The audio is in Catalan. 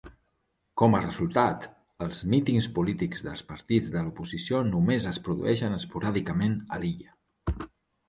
Com a resultat, els mítings polítics dels partits de l'oposició només es produeixen esporàdicament a l'illa.